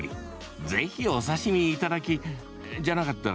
ぜひ、お刺身いただきじゃなかった。